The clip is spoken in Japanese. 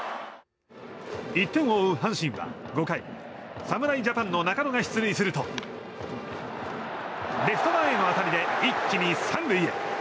１点を追う阪神は５回侍ジャパンの中野が出塁するとレフト前への当たりで一気に３塁へ。